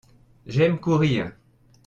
J'aime courrir.